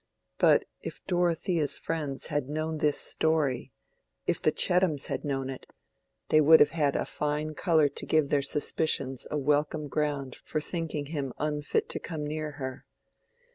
But if Dorothea's friends had known this story—if the Chettams had known it—they would have had a fine color to give their suspicions a welcome ground for thinking him unfit to come near her.